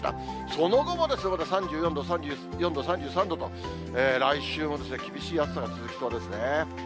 その後も３４度、３４度、３３度と、来週も厳しい暑さが続きそうですね。